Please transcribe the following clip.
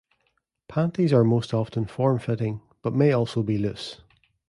Panties are most often form-fitting, but may also be loose.